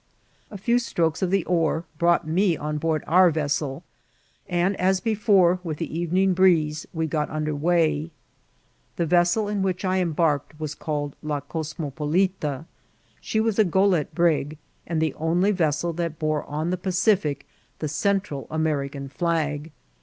A few strokes of the oar broo^t me onboard our vea* sely and, as before, with the evening breeze we got under way. The vessel in which I embarked was called La Cosmopolita. She was a goelette brig, and the only vessel that bore on the Pacific the Central American flag.